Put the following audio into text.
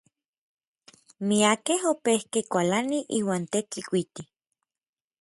Miakej opejkej kualanij iuan Tetlikuiti.